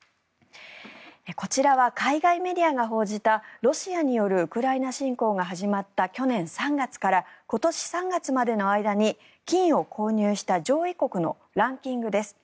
こちらは海外メディアが報じたロシアによるウクライナ侵攻が始まった去年３月から今年３月までの間に金を購入した上位国のランキングです。